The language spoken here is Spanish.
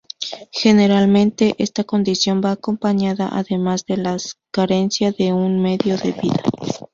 Generalmente, esta condición va acompañada además de la carencia de un medio de vida.